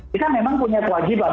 kita memang punya kewajiban